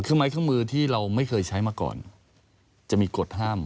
เครื่องไม้เครื่องมือที่เราไม่เคยใช้มาก่อนจะมีกฎห้าม